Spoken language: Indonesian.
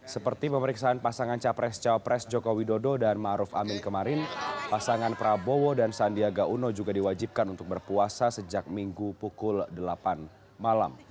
seperti pemeriksaan pasangan capres cawapres jokowi dodo dan maruf amin kemarin pasangan prabowo dan sandiaga uno juga diwajibkan untuk berpuasa sejak minggu pukul delapan malam